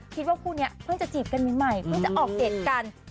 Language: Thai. คิดว่าครู้นี้พึ่งจะจีบกันใหม่พึ่งจะออกเด็ดกัน